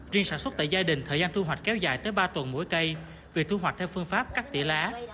riêng sản xuất tại gia đình thời gian thu hoạch kéo dài tới ba tuần mỗi cây vì thu hoạch theo phương pháp cắt tỉa lá